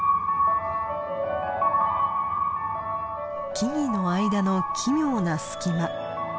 木々の間の奇妙な隙間。